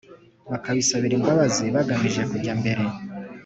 Bakabisabira imbabazi bagamije kujya imbere